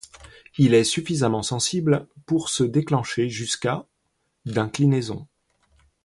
Il est suffisamment sensible pour se déclencher jusqu'à d'inclinaison.